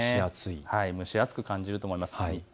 蒸し暑く感じると思います。